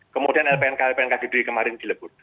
kemudian lpnk lpnk gd kemarin dilebur